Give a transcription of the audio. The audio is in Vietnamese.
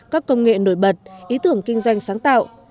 các công nghệ nổi bật ý tưởng kinh doanh sáng tạo